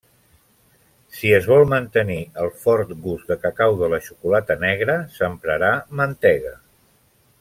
Si es vol mantenir el fort gust de cacau de la xocolata negra, s'emprarà mantega.